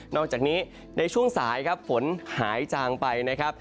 อกจากนี้ในช่วงสายครับฝนหายจางไปนะครับ